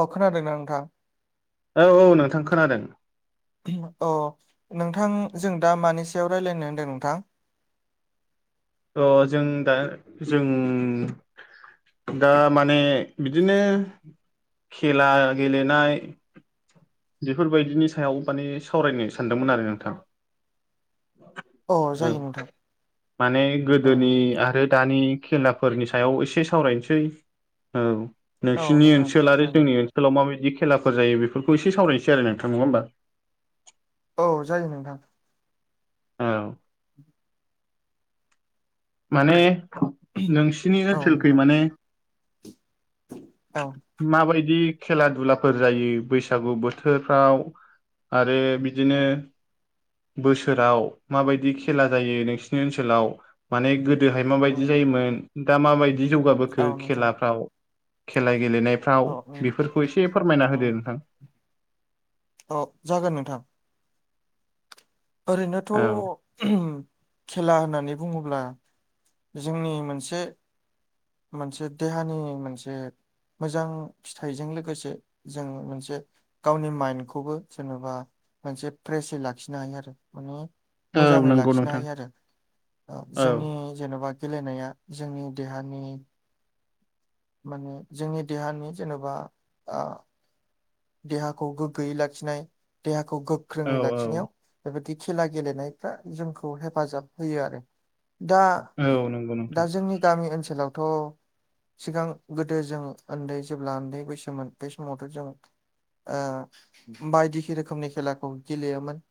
अ खोनादोंनाा नोंथां? औ औ नोंथां खोनादों। अ नोंथां जों दा मानि सायाव रायलायनो होनदों नोंथां। अजों दा जों दा माने बिदिनो, खेला गेलेनाय, बेफोरबायदिनि सायाव माने सावरायनो सानदोंमोन आरो नोंथां। अ औ जायो नोंथां माने औ गोदोनि आरो दानि, खेलाफोरनि सायाव एसे सावरायनोसै ओ औ नोंसिनि नोंथां ओनसोल आरो जायो। जोंनि ओनस ओनसोलाव माबायदि खेलाफोर जायो बेफोरखौ एसे सावरायनोसै नोंथां नङा होनबा, औ जायो नोंथां औ माने नोंसिनि औ ओनसोलखै नोंथां माने, औ माबायदि खेला दुलाफोर जायो बैसागु बोथोरफ्राव, आरो बिदिनो, बोसोराव माबायदि खेला जायो नोंसिनि ओनसोलाव, माने गोदोहाय माबायदि ओं जायोमोन दा माबायदि जौगाबोखो औ नोंथां खेलाफ्राव, खेला औ गेलेनायफ्राव ओं बेफोरखौ एसे फोरमायना होदो नोंथां, अ जागोन नोंथां। ओरैनोथ' औ खेला होननानै बुङोब्ला जोंनि मोनसे, मोनसे देहानि मोनसे, मोजां फिथाइजों लोगोसे जों मोनसे गावनि मायेनखौबो जेनेबा मोनसे फ्रेसयै लाखिनो हायो आरो माने, औ मोजाङै नंगौ लाखिनो नोंथां हायो आरो औ औ जोंनि, जेन'बा गेलेनाया जोंनि देहानि। माने जोंनि देहानि जेनेबा ओ, देहाखौ गोग्गोयै लाखिनाय देहाखौ गोख्रोङै लाखिनायाव, बेबायदि खेला गेलेनायफ्रा जोंखौ हेफाजाब होयो आरो दा, औ औ नंगौ नोंथां दा जोंनि गामि ओनसोलावथ' सिगां गोदो जों उन्दै जेब्ला उन्दै बैसोमोन बे समावथ' जों ओ बायदि रोखोमनि खेलाखौ गेलेयोमोन।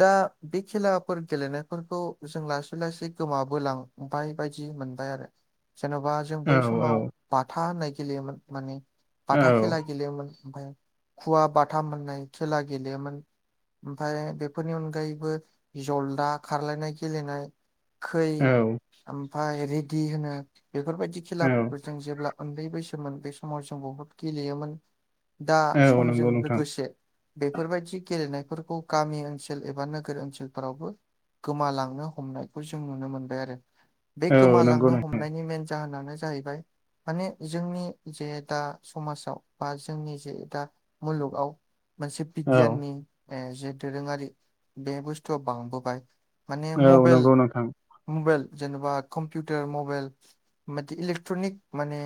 दा बे खेलाफोर गेलेनायफोरखौ जों लासै लासै गोमाबोलां, बाय बायदि मोनबाय आरो जेन'बा जों औ बै समाव बाथा होननाय गेलेयोमोन माने औ बाथा खेला गेलेयोमोन ओमफाय, खुवा बाथाम मोननाय खेला गेलेयोमोन, ओनफाय बेफोरनि अनगायैबो जलदा खारलायनाय गेलेनाय, खै औ ओमफाय रेडि होनो बेफोरबायदि खेलाफोरखौ जों जेब्ला उन्दै बैसोन बे समाव जों बहुद गेलेयोमोन दा, औ औ समजों नंगौ नोंथां लोगोसे, बेफोरबायदि गेलेनायफोरखौ गामि ओनसोल एबा नोगोर ओनसोलफोरावबो, गोमालांनो हमनायखौ जों नुनो मोनबाय आरो बे औ नंगौ गोमालांनो नोंथां हमनायनि मेन जाहोनानो जाहैबाय। माने जोंनि जे दा समाजाव बा जोंनि जे दा मुलुगाव मोनसे औ बिगियाननि जे दोरोङारि बे बुस्थुआव बांबोबाय माने औ मबेल नंगौ नोंथां मबेल जेनेबा कम्पिउटार मबेल [unintelligible] इलेक्ट्रनिक माने,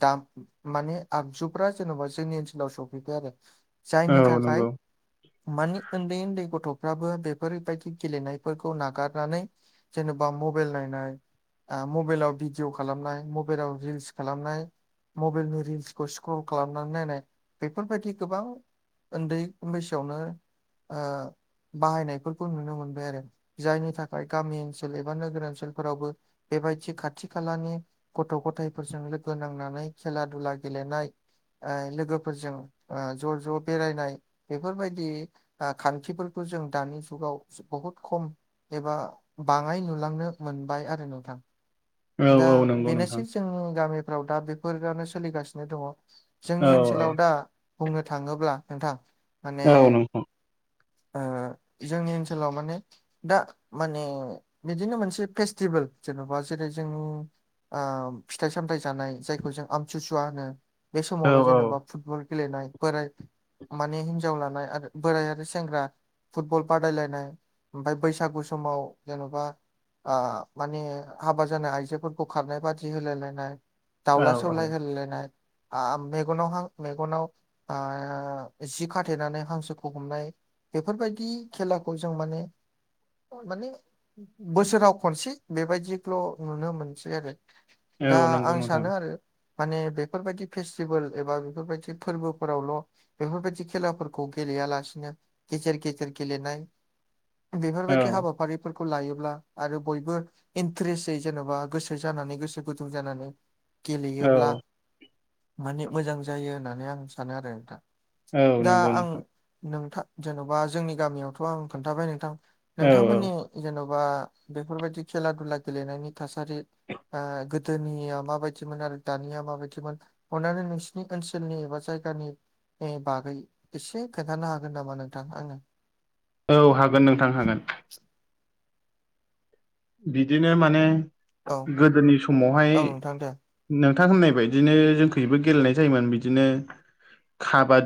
दाम माने आगजुफ्रा जेनेबा जोंनि ओनसोलाव सफैबाय आरो जायनि औ थाखाय, नंगौ मानि उन्दै उन्दै गथ'फ्राबो बेफोरबायदि गेलेनायफोरखौ नागारनानै, जेनेबा मबेल नायनाय, मबेलाव भिडिअ खालामनाय मबेलाव रिल्स खालामनाय, मबाइलनि रिल्सखौ स्क्र'ल खालामनानै नायनाय बेफोरबायदि गोबां उन्दै बैसोआवनो बाहायनायफोरखौ नुनो मोनबाय आरो जायनि थाखाय गामि ओनसोल एबा नोगोर ओनसोलफोरावबो बेबायदि खाथि खालानि गथ' गथाइफोरजों लोगो नांनानै खेला दुला गेलेनाय लोगो फोरजों ज' ज' बेरायनाय बेफोरबायदि खान्थिफोरखौ जों दानि जुगाव बहुद खम एबा बाङाय नुलांनो मोनबाय आरो नोंथां। औ दा औ नंगौ नोंथां बेनोसै जोंनि गामिफ्राव दा बेफोरानो सोलिगासिनो दङ जोंनि औ ओनसोल दा बुंनो थाङोब्ला नोंथां माने औ औ नोंथां जोंनि ओनसोलाव माने दा माने बिदिनो मोनसे फेस्टिभेल जेन'बा जेरै जोंनि फिथाइ सामथाइ जानाय जायखौ जों आमथि सुवा होनो बे औ समावल' औ जेनेबा फुटबल गेलेनाय बोराय माने हिनजाव लानाय आरो बोराय आरो सेंग्रा फुटबल बादायलायनाय ओमफ्राय बैसागु समाव जेन'बा माने हाबा जानाय आइजोफोरखौ खारनाय बादि होलायलायनाय औ दाउला सौलाय होलायलायनाय मेगनावहां मेगनाव जि खाथेनानै हांसोखौ हमनाय बेफोरबायदि खेलाखौ जों माने माने बोसोराव खनसे बेबायदिखौल' नुनो मोनसै आरो। औ दा औ नंगौ आं नोंथां सानो आरो माने बेफोरबायदि फेस्टिभेल एबा बेफोरबायदि फोरबोफोरावल' बेफोरबायदि खेलाफोरखौ गेलेयालासिनो गेजेर गेजेर गेलेनाय बेफोरबायदि औ हाबाफारि फोरखौ लायोब्ला आरो बयबो इन्ट्रेसै जेन'बा गोसो जानानै गोसो गुदुं जानानै औ गेलेयोब्ला माने मोजां जायो होननानै आं सानो आरो नोंथां। औ दा नंगौ आं नोंथां नोंथां जेन'बा जोंनि गामियावथ' आं खोन्थाबाय नोंथां औ औ नोंथांमोननि जेन'बा बेफोरबायदि खेला दुला गेलेनायनि थासारि गोदोनिया माबायदिमोन आरो दानिया माबायदिमोन अननानै नोंसि नि ओनसोलनि एबा जायगानि बागै एसे खोन्थानो हागोन नामा नोंथां आनो? औ हागोन नोंथां हागोन। बिदिनो माने औ गोदोनि समावहाय औ नोंथां दे नोंथां होननाय बायदिनो जोंखैबो गेलेनाय जायोमोन बिदिनो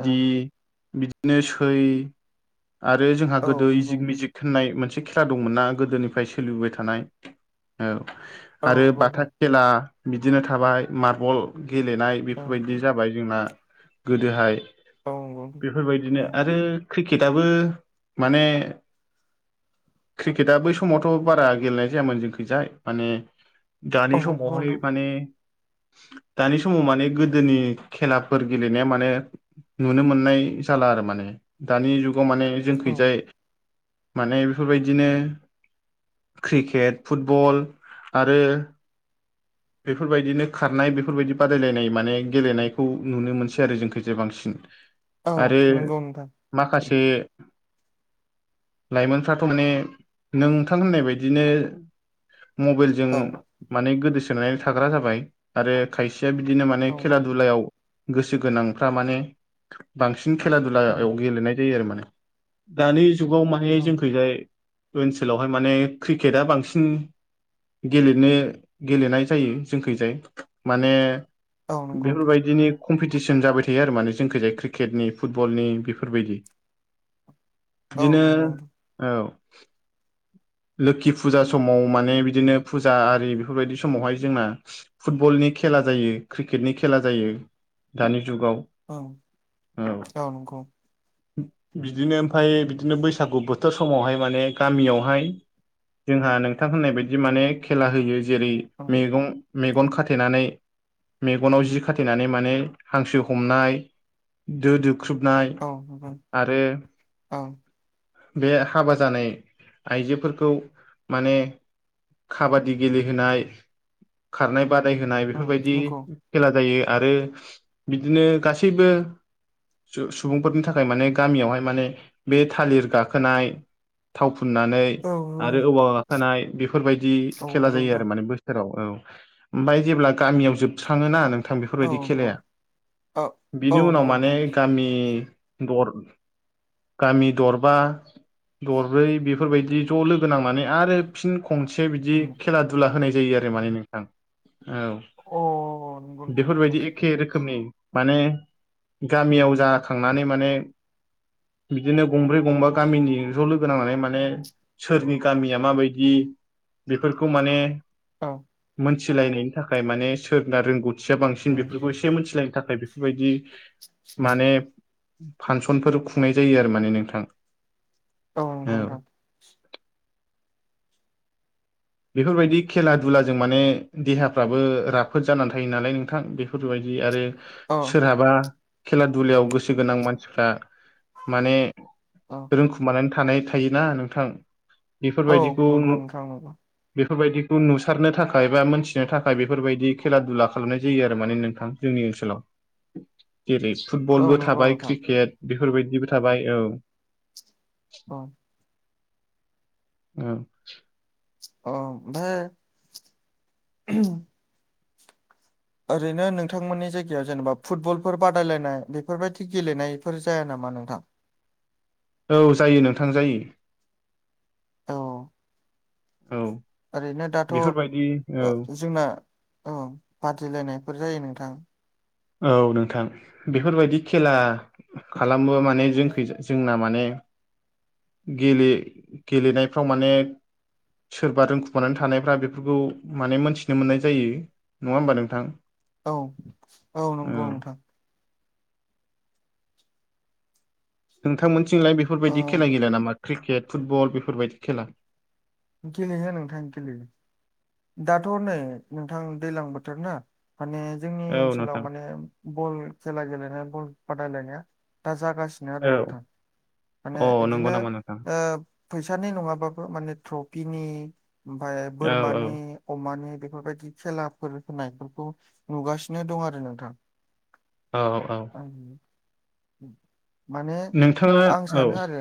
औ बिदिनो सै आरो जोंहा औ गोदो नंगौ इजिक नोंथां मिजिक होननाय मोनसे खेला दंमोन ना गोदोनिफ्राय सोलिबोबाय थानाय औ औ आरो नंगौ बाथा नोंथां खेला बिदिनो थाबाय मार्बल गेलेनाय ओं बेफोरबायदि जाबाय जोंना गोदोहाय औ नंगौ बेफोरबायदिनो नोंथां ओं औ आरो क्रिकेटआबो माने क्रिकेटआ बै समावथ' बारा गेलेनाय जायामोन जोंखैजाय माने दानि समावहाय माने दानि समाव माने गोदोनि खेलाफोर गेलेनाया माने नुनो मोननाय जाला आरो माने दानि जुगाव माने जोंखैजाय माने बेफोरबायदिनो क्रिकेट फुटबल आरो बेफोरबायदिनो खारनाय बेफोरबायदि बादायलायनाय माने गेलेनायखौ नुनो मोनसै आरो जोंखैजाय बांसिन। आरो नंगौ नोंथां माखासे लाइमोनफ्राथ' माने नोंथां होननाय बायदिनो मबाइल जों ओं माने गोदोसोनानै थाग्रा जाबाय आरो खायसेया बिदिनो माने औ खेला नंगौ दुलायाव गोसो गोनांफ्रा माने बांसिन खेला नोंथां दुलायाव गेलेनाय जायो आरो माने। दानि जुगाव माने जोंखैजाय ओनसोलावहाय माने क्रिकेटआ बांसिन गेलेनो गेलेनाय जायो जोंखैजाय माने औ नंगौ औ नंगौ बेफोर नोंथां बायदिनि कम्पिटिसन जाबाय थायो आरो माने जोंनिखैजाय क्रिकेटनि फुटबलनि बेफोरबायदि। औ बिदिनो नंगौ नोंथां। औ लोखि फुजा समाव माने बिदिनो फुजा आरि बेफोरबायदि समावहाय जोंना फुटबलनि खेला जायो क्रिकेटनि खेला जायो दानि जुगाव। औ औ नंगौ बिदिनो ओमफ्राय बिदिनो बैसागु बोथोर समावहाय माने गामियावहाय जोंहा नोंथां होननाय बायदि माने खेला होयो। जेरै ओं मैगं मेगन खाथेनानै मेगनाव जि खाथेनानै माने हांसो हमनाय दो दो- बुख्रुबनाय औ नंगौ आरो ओं बे हाबा जानाय आइजोफोरखौ माने खाबादि गेलेहोनाय खारनाय बादायहोनाय ओं बेफोरबायदि नंगौ खेला जायो। आरो बिदिनो गासैबो सु-सुबुंफोरनि थाखाय माने गामियावहाय माने बे थालिर गाखोनाय। थाव फुननानै औ आरो औवा गाखोनाय बेफोरबायदि औ खेला नंगौ जायो आरो नोंथां माने बो- सोराव औ। ओमफ्राय जेब्ला गामियाव जोबस्राङो ना नों- थां औ बेफोरबायदि नंगौ खेलाया। औ औ बिनि उनाव नंगौ माने नोंथां गामि दर- गामि दरबा दरब्रै बेफोरबायदि ज' लोगो नांनानै आरो फिन खनसे बिदि उम खेला-दुला होनाय जायो आरो माने नोंथां। अ नंगौ औ नोंथां बेफोरबायदि एखे रोखोमनि माने उम गामियाव जा खांनानै माने बिदिनो गंब्रै-गंबा गामिनि ज' लोगो नांनानै माने सोरनि गामिया माबायदि बेफोरखौ माने औ मोनथिलायनायनि थाखाय माने सोरना रोंगौथिया बांसिन उम बेफोरखौ एसे मिनथिलायनो थाखाय बे- फोरबायदि माने फांसनफोर खुंनाय जायो आरो माने नोंथां नंगौ औ नोंथां बेफोरबायदि खेला दुलाजों माने देहाफ्राबो राफोद जानानै थायो नालाय नोंथां। बेफोरबायदि आरो औ सोरहाबा खेला दुलायाव गोसो गोनां मानसिफ्रा माने अ रोंखुमानानै थानाय थायोना नोंथां। औ बेफोरबायदिखौ नंगौ नोंथां नंगौ बेफोरबायदिखौ नुसारनो थाखाय बा मोनथिनो थाखाय बेफोरबायदि खेला दुला खालामनाय जायो आरो माने नोंथां जोंनि ओनसोलाव। [inaudible] [unintelligible] औ फुटबलबो नंगौ थाबाय नोंथां क्रिकेट बेफोरबायदिबो थाबाय औ। अ उम अ' ओमफ्राय [unintelligible] ओरैनो नोंथांमोननि जायगायाव जेनेबा फुटबलफोर बादायलायनाय बेफोरबायदि गेलेनायफोर जाया नामा नोंथां? औ जायो नोंथां जायो। औ औ ओरैनो दाथ बेफोरबायदि औ ओ जोंना औ बादायलायनायफोर जायो नोंथां। औ नोंथां बेफोरबायदि खेला खालामबा माने जोंनिखै जोंना माने गेले गेलेनायफ्राव माने सोरबा रोंखुमानानै थानायफ्रा बेफोरखौ माने मोन्थिनो मोननाय जायो। नङा होमबा नोंथां? औ औ नंगौ नोंथां। नोंथांमोनथिंलाय ओ बेफोरबायदि खेला गेलेया नामा? क्रिकेट फुटबल बेफोरबायदि खेला। गेलेयो नोंथां गेलेयो। दाथ' नै नोंथां दैलां बोथोर ना माने जोंनि औ ओनसोलाव नोंथां माने बल खेला गेलेनाय बल बादायलायनाया दा जागासि नो आरो औ नोंथां माने अ नंगौ इदिनो नामा नोंथां ओ फैसानि नङाबाबो माने ट्र'फिनि आमफाय औ औ बोरमानि अमानि बेफोरबादि खेलाफोर होनायफोरखौ नुगासिनो दं आरो नोंथां औ औ उम माने नोंथाङा आं औ सानो आरो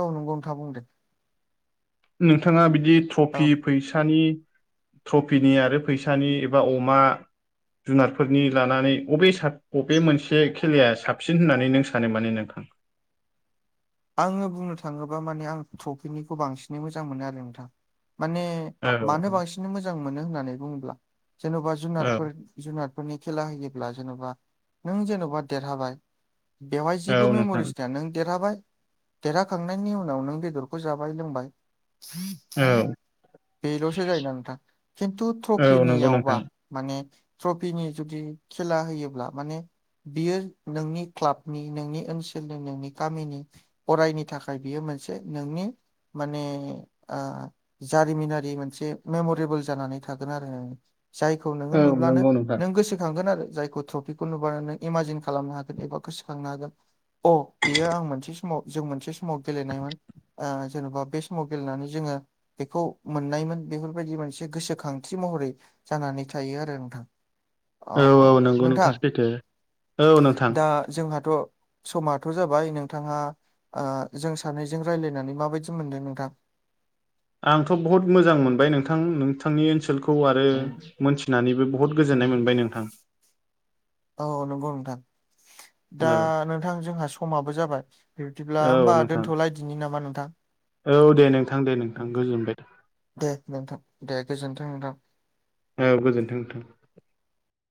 औ नोंगौ नोंथा बुं दे नोंथांआ बिदि ओ ट्र'फि फैसानि ट्र'फिनि आरो फैसानि एबा अमा जुनारफोरनि लानानै अबे साबसिन अबे मोनसे खेलाया साबसिन होननानै नों सानो माने नोंथां आङो बुंनो थाङोबा माने आं ट्र'फिनिखौ बांसिनै मोजां मोनो आरो नोंथां माने औ मानो बांसिन मोजां मोनो होननानै बुङोब्ला जेनोबा औ जुनारफोर जुनारफोरनि खेला होयोब्ला जेनोबा नों जेनोबा देरहाबाय बेवहाय जेबो औ नोंथां मेम'रिस थाया नों देरहाबाय देरहाखांनायनि उनाव नों बेदरखौ जाबाय लोंबाय औ बेल'सो जायोना नोंथां खिन्थु औ नंगौ ट्र'फिनिआवबा नोंथां माने ट्र'फिनि जुदि खेला होयोब्ला माने बियो नोंनि क्लाबनि नोंनि ओनसोलनि नोंनि गामिनि अरायनि थाखाय बियो मोनसे नोंनि माने ओ जारिमिनारि मोनसे मेम'रेबोल जानानै थागोन आरो जायखौ नोङो औ नुब्लानो नंगौ नोंथां नों गोसोखांगोन आरो जायखौ ट्र'फिखौ नुबानो नों इमाजिन खालामनो हागोन एबा गोसोखांनो हागोन अ बेयो आं मोनसे समाव जों मोनसे समाव गेलेनायमोन ओ जेन'बा बे समाव गेलेनानै जोङो बेखौ मोननायमोन बेफोरबादि मोनसे गोसोखांथि महरै जानानै थायो आरो नोंथां अ औ औ नंगौ नोंथां सैथो औ नोंथां दा जोंहाथ' समाथ' जाबाय नोंथांहा ओ जों सानैजों रायज्लायनानै माबादि मोनदों नोंथां आंथ' बहुत मोजां मोनबाय नोंथां नोंथांनि ओनसोलखौ आरो उम मोनथिनानैबो बहुत उम गोजोनाय मोनबाय नोंथां औ नोंगौ नोंथां दा औ नोंथां जोंहा समाबो जाबाय बिबदिब्ला औ होमबा नोंथां दोनथ'लाायदिनि नामा नोंथां औ दे नोंथां दे नोंथां गोजोनबाय दे नोंथां दे गोजोनथों नोंथां औ गोजोनथों नोंथां